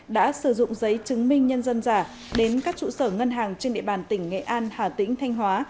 đã sử dụng giấy chứng minh nhân dân giả đến các trụ sở ngân hàng trên địa bàn tỉnh nghệ an hà tĩnh thanh hóa